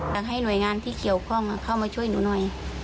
อยากให้หน่วยงานที่เกี่ยวข้องเข้ามาช่วยหนูหน่อย